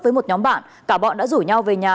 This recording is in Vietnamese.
với một nhóm bạn cả bọn đã rủ nhau về nhà